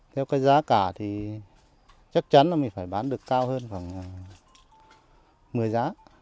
theo cái giá cả thì chắc chắn là mình phải bán được cao hơn khoảng một mươi giá